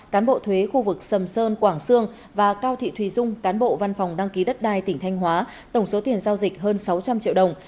cán bộ thuế khu vực sầm sơn quảng sương và cao thị thùy dung cán bộ văn phòng đăng ký đất đai tỉnh thanh hóa tổng số tiền giao dịch hơn sáu trăm linh triệu đồng